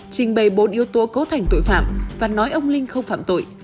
trình bày bốn yếu tố cấu thành tội phạm và nói ông linh không phạm tội